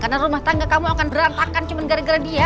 karena rumah tangga kamu akan berantakan cuma gara gara dia